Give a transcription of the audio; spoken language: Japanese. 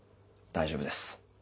大丈夫です。